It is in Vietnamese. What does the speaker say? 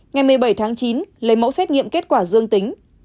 ngày một mươi bảy tháng chín lấy mẫu xét nghiệm kết quả dương tính